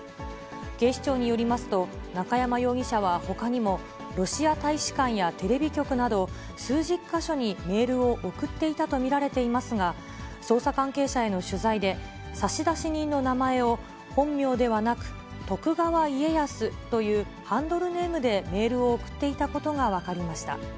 警視庁によりますと、中山容疑者はほかにも、ロシア大使館やテレビ局など数十か所にメールを送っていたと見られていますが、捜査関係者への取材で、差出人の名前を、本名ではなく、徳川家康というハンドルネームでメールを送っていたことが分かりました。